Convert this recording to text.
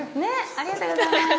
◆ありがとうございます。